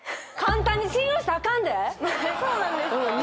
え⁉そうなんですか？